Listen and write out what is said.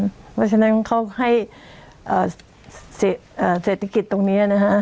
เพราะฉะนั้นเขาให้เศรษฐกิจตรงนี้นะฮะ